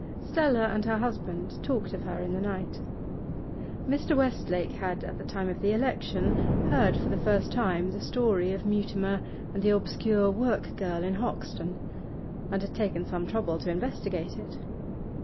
Stella and her husband talked of her in the night. Mr. Westlake had, at the time of the election, heard for the first time the story of Mutimer and the obscure work girl in Hoxton, and had taken some trouble to investigate it.